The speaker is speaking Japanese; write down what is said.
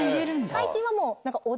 最近はもう。